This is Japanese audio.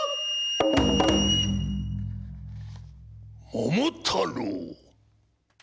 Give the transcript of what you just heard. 桃太郎。